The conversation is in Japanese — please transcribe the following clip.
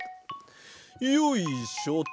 よいしょと。